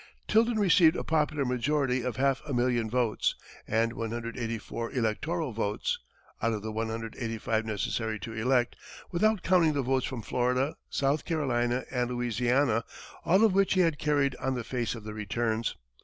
Tilden received a popular majority of half a million votes, and 184 electoral votes, out of the 185 necessary to elect, without counting the votes from Florida, South Carolina and Louisiana, all of which he had carried on the face of the returns.